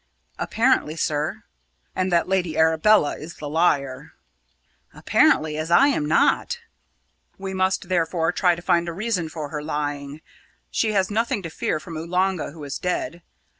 "Apparently, sir." "And that Lady Arabella is the liar!" "Apparently as I am not." "We must, therefore, try to find a reason for her lying. She has nothing to fear from Oolanga, who is dead.